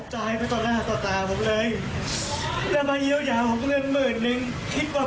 ถ้าการเงียวอย่างกับลูกผมภรรยาผมที่สูญเสียไป